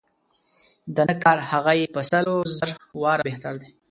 د نه کار هغه یې په سل و زر واره بهتر دی.